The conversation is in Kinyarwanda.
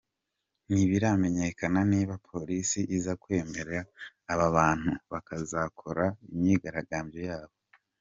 Ntibiramenyekana niba Polisi iza kwemerera aba bantu bakazakora imyigaragambyo yabo.